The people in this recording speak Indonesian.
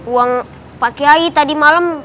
uang pak kiai tadi malam